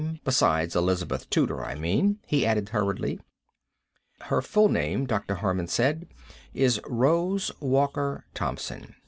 Besides Elizabeth Tudor, I mean," he added hurriedly. "Her full name," Dr. Harman said, "is Rose Walker Thompson.